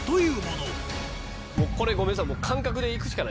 もうこれごめんなさい。